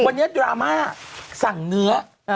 วันนี้ดราม่าสั่งเนื้อ